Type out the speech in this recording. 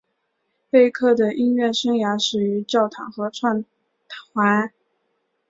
贝克的音乐生涯始于教堂合唱团。